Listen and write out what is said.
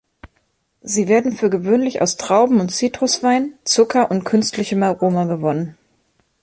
Sie werden für gewöhnlich aus Trauben und Zitrus-Wein, Zucker und künstlichem Aroma gewonnen.